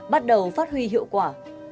bắt đầu phát huy hiệu quả